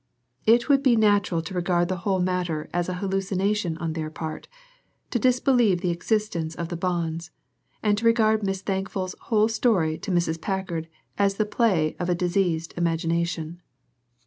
It would be natural to regard the whole matter as an hallucination on their part, to disbelieve in the existence of the bonds, and to regard Miss Thankful's whole story to Mrs. Packard as the play of a diseased imagination.